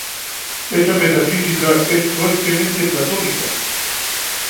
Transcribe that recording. Esa metafísica es fuertemente platónica.